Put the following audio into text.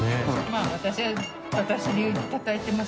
泙私は私流にたたいてます。